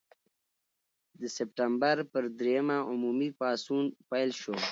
د سپټمبر پر دریمه عمومي پاڅون پیل شو.